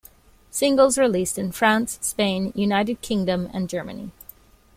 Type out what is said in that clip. Singles released in France, Spain, United Kingdom and Germany.